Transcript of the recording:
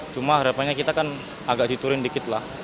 cuma harapannya kita kan agak diturunin dikit lah